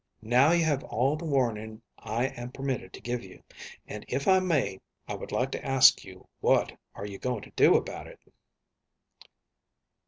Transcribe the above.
Now you have all the warning I am permitted to give you, and, if I may, I would like to ask you what are you going to do about it?"